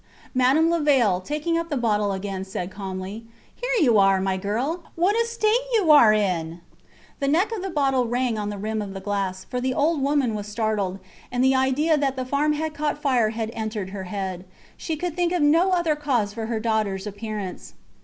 Madame Levaille, taking up the bottle again, said calmly: Here you are, my girl. What a state you are in! The neck of the bottle rang on the rim of the glass, for the old woman was startled, and the idea that the farm had caught fire had entered her head. She could think of no other cause for her daughters appearance.